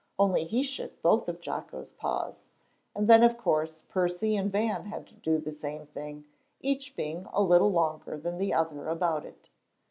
Only he shook both of Jocko's paws. And then, of course, Percy and Van had to do the same thing, each being a little longer than the other about it.